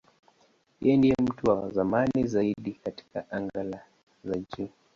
Yeye ndiye mtu wa zamani zaidi katika anga za juu.